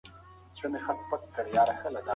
د سړي د ګوزار له امله د مرغۍ یوه سترګه ړنده شوه.